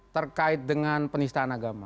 terkait dengan penistaan agama